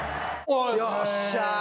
よっしゃ。